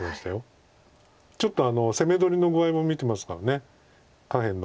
ちょっと攻め取りの具合も見てますから下辺の。